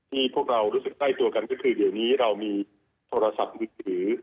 พวกเรารู้สึกใกล้ตัวกันก็คือเดี๋ยวนี้เรามีโทรศัพท์มือถือ